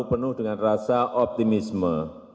penuh dengan rasa optimisme